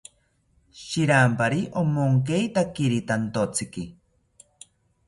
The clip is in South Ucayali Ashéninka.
Shirampari omonkeitakiri tantotziki